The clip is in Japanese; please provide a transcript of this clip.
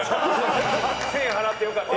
１０００円払ってよかった。